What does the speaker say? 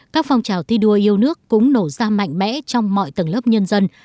các phong trào thi đua yêu nước cũng nổ ra mạnh mẽ trong mọi tầng lớp nhân dân